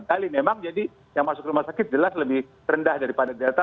jadi memang jadi yang masuk rumah sakit jelas lebih rendah daripada delta